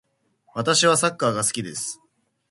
私はサッカーが好きです。